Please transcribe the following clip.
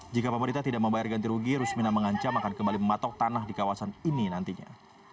jika pemerintah tidak membayar ganti rugi rusmina mengancam akan kembali mematok tanah di kawasan ini nantinya